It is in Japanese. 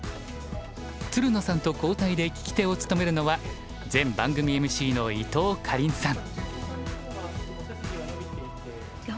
つるのさんと交代で聞き手を務めるのは前番組ＭＣの伊藤かりんさん。